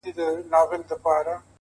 او راته وايي دغه.